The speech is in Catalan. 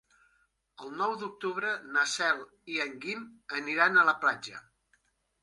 El nou d'octubre na Cel i en Guim aniran a la platja.